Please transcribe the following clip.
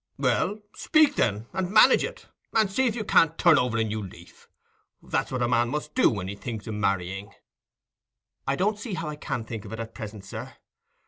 "Well, speak, then, and manage it, and see if you can't turn over a new leaf. That's what a man must do when he thinks o' marrying." "I don't see how I can think of it at present, sir.